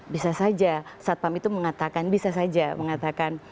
bisa saja satpam itu mengatakan bisa saja mengatakan